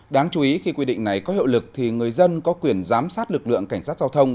đáng chú ý khi quy định này có hiệu lực thì người dân có quyền giám sát lực lượng cảnh sát giao thông